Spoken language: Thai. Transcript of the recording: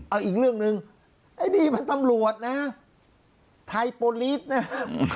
เอาอีกเรื่องหนึ่งไอ้นี่มันตำรวจนะไทยโปรลีสนะฮะ